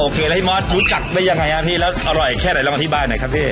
แล้วพี่มอสรู้จักได้ยังไงครับพี่แล้วอร่อยแค่ไหนลองอธิบายหน่อยครับพี่